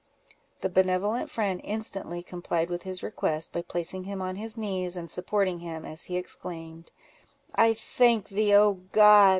The benevolent friend instantly complied with his request, by placing him on his knees, and supporting him, as he exclaimed—"I thank thee, oh God!